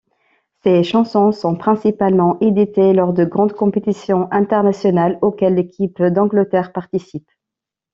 Ces chansons sont principalement éditées lors des grandes compétitions internationales auxquelles l'équipe d'Angleterre participe.